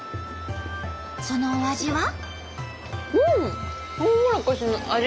そのお味は？